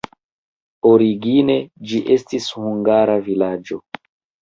Origine ĝi estis hungara vilaĝo.